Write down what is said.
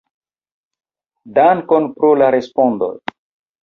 Dankon pro la respondoj!